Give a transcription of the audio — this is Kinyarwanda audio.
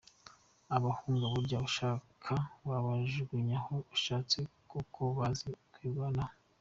Abahungu burya ushatse wabajugunya aho ushatse kuko bazi kwirwanaho.